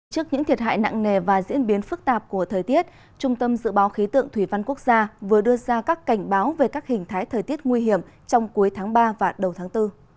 trước những thiệt hại nặng nề và diễn biến phức tạp của thời tiết trung tâm dự báo khí tượng thủy văn quốc gia vừa đưa ra các cảnh báo về các hình thái thời tiết nguy hiểm trong cuối tháng ba và đầu tháng bốn